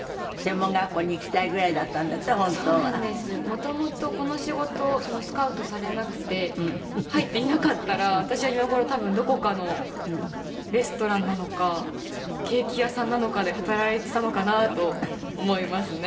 もともとこの仕事スカウトされなくて入っていなかったら私は今頃多分どこかのレストランなのかケーキ屋さんなのかで働いてたのかなと思いますね。